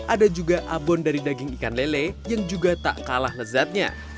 ada juga abon dari daging ikan lele yang juga tak kalah lezatnya